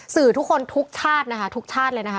สื่อทุกคนทุกชาตินะคะทุกชาติเลยนะคะ